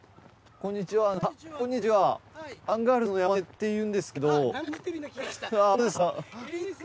こんにちはアンガールズの山根っていうんですけど。